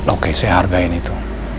oke saya hargain itu